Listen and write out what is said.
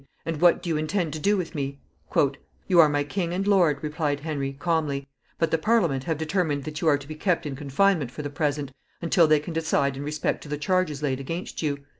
And what do you intend to do with me?" "You are my king and lord," replied Henry, calmly, "but the Parliament have determined that you are to be kept in confinement for the present, until they can decide in respect to the charges laid against you."